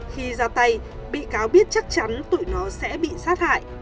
khi ra tay bị cáo biết chắc chắn tụi nó sẽ bị sát hại